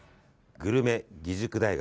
グルメ義塾大学。